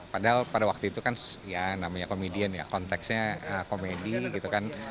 padahal pada waktu itu kan ya namanya komedian ya konteksnya komedi gitu kan